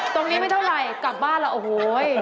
ตรงนี้ไม่เท่าไรกลับบ้านล่ะโอ้โฮ